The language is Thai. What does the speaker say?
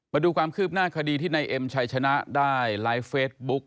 มาดูความคืบหน้าคดีที่นายเอ็มชัยชนะได้ไลฟ์เฟซบุ๊ก